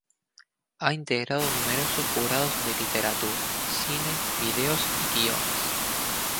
Ha integrado numerosos jurados de literatura, cine, videos y guiones.